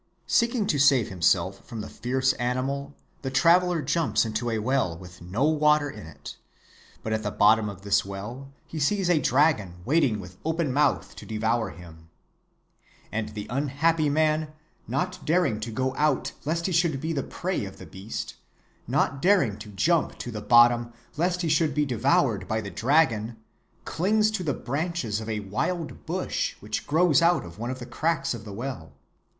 "Seeking to save himself from the fierce animal, the traveler jumps into a well with no water in it; but at the bottom of this well he sees a dragon waiting with open mouth to devour him. And the unhappy man, not daring to go out lest he should be the prey of the beast, not daring to jump to the bottom lest he should be devoured by the dragon, clings to the branches of a wild bush which grows out of one of the cracks of the well.